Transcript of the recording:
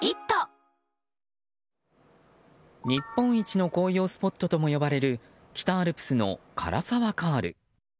日本一の紅葉スポットとも呼ばれる北アルプスの涸沢カール。